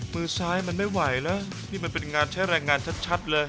มือซ้ายมันไม่ไหวแล้วนี่มันเป็นงานใช้แรงงานชัดเลย